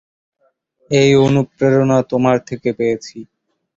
এই অনুপ্রেরণা তোমার থেকে পেয়েছি।